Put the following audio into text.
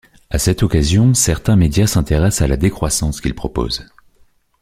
À cette occasion, certains médias s'intéressent à la décroissance qu'il propose.